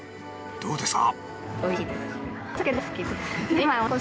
どうですか？